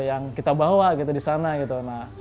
yang kita bawa gitu di sana gitu